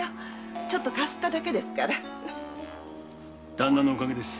旦那のおかげです。